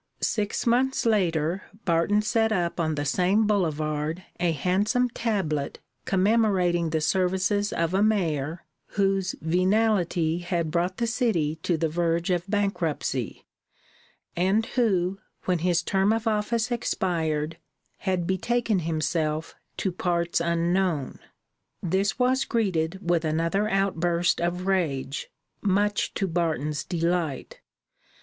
Six months later Barton set up on the same boulevard a handsome tablet commemorating the services of a mayor whose venality had brought the city to the verge of bankruptcy, and who, when his term of office expired, had betaken himself to parts unknown. This was greeted with another outburst of rage, much to Barton's delight.